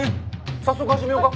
早速始めようか。